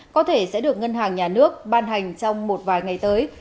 có thể sẽ được ngân hàng nhà nước ban hành trong một vài ngày tới